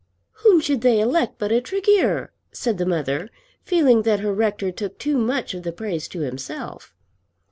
"Whom should they elect but a Tregear?" said the mother, feeling that her rector took too much of the praise to himself.